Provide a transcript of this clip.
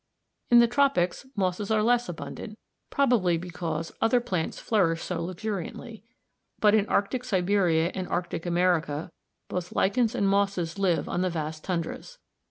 In the tropics mosses are less abundant, probably because other plants flourish so luxuriantly; but in Arctic Siberia and Arctic America both lichens and mosses live on the vast Tundras.